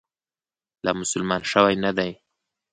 لا مسلمان شوی نه دی.